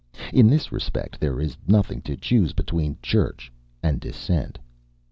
In this respect there is nothing to choose between Church and Dissent.